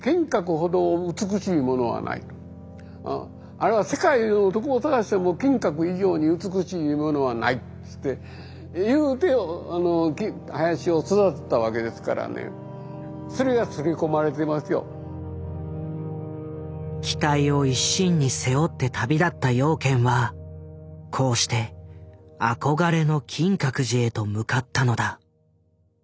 あれは世界をどこを探しても「金閣以上に美しいものはない」っつって言うて林を育てたわけですからね期待を一身に背負って旅立った養賢はこうして憧れの金閣寺へと向かったのだ。